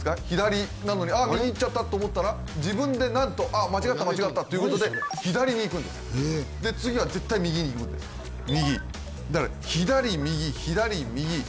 左なのにああ右行っちゃったと思ったら自分でなんと「ああ間違った間違った」ということで左に行くんですで次は絶対右に行くんです右だから左右左右